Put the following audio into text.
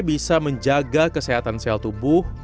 bisa menjaga kesehatan sel tubuh